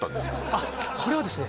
あっこれはですね